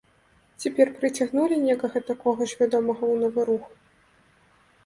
Цяпер прыцягнулі некага такога ж вядомага ў новы рух?